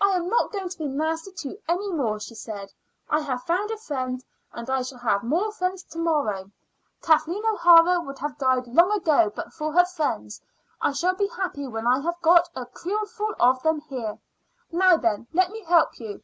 "I'm not going to be nasty to you any more," she said. "I have found a friend, and I shall have more friends to morrow. Kathleen O'Hara would have died long ago but for her friends. I shall be happy when I have got a creelful of them here. Now then, let me help you.